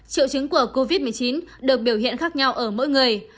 triệu chứng của covid một mươi chín được biểu hiện khác nhau ở mỗi người